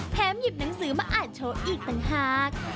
หยิบหนังสือมาอ่านโชว์อีกต่างหาก